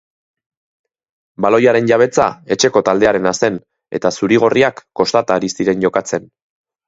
Baloiaren jabetza etxeko taldearena zen eta zuri-gorriak kostata ari ziren jokatzen.